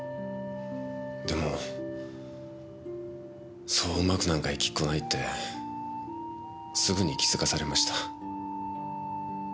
でもそううまくなんかいきっこないってすぐに気づかされました。